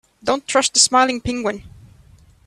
Don't trust the smiling penguin.